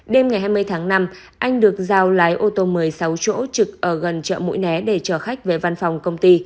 đêm ngày hai mươi tháng năm anh được giao lái ô tô một mươi sáu chỗ trực ở gần chợ mũi né để chở khách về văn phòng công ty